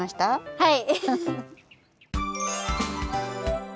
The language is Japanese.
はい！